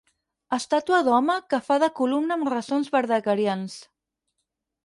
Estàtua d'home que fa de columna amb ressons verdaguerians.